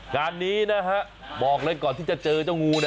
งานนี้นะฮะบอกเลยก่อนที่จะเจอเจ้างู